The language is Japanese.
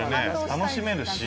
楽しめるし。